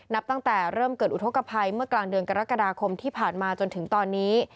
นับตั้งแต่เริ่มเกิดอุทธกภัยเมื่อกลางเดือนกรกฎาคมที่ผ่านมาจนถึงตอนนี้